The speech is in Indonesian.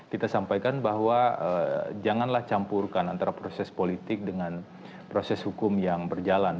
kita sampaikan bahwa janganlah campurkan antara proses politik dengan proses hukum yang berjalan